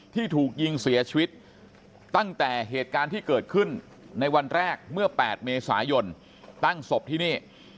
ที่ถูกยิงเสียชีวิตตั้งแต่เหตุการณ์ที่เกิดขึ้นในวันแรกเมื่อ๘เมษายนตั้งศพที่นี่